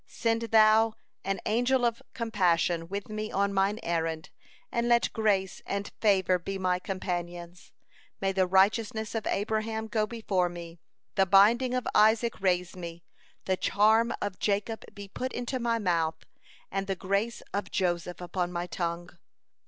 Send Thou an angel of compassion with me on mine errand, and let grace and favor be my companions. May the righteousness of Abraham go before me, the binding of Isaac raise me, the charm of Jacob be put into my mouth, and the grace of Joseph upon my tongue.